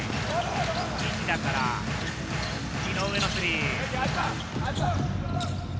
西田から井上のスリー。